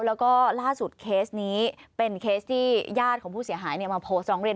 แล้วก็ล่าสุดเคสนี้เป็นเคสที่ญาติของผู้เสียหายมาโพสต์ร้องเรียน